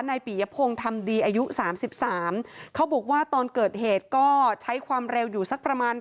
ปียพงศ์ทำดีอายุ๓๓เขาบอกว่าตอนเกิดเหตุก็ใช้ความเร็วอยู่สักประมาณ